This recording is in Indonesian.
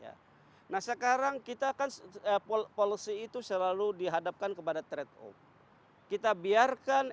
ya nah sekarang kita kan policy itu selalu dihadapkan kepada trade off kita biarkan